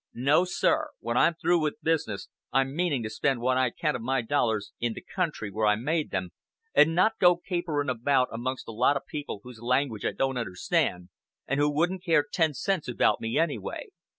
No! sir! When I'm through with business, I'm meaning to spend what I can of my dollars in the country where I made them, and not go capering about amongst a lot of people whose language I don't understand, and who wouldn't care ten cents about me anyway.